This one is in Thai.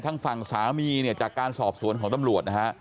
ทางฝั่งสามีเนี่ยจากการสอบสวนของตำรวจนะฮะ